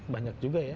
banyak juga ya